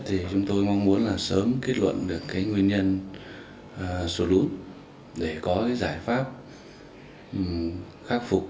thì chúng tôi mong muốn là sớm kết luận được cái nguyên nhân sụt lún để có cái giải pháp khắc phục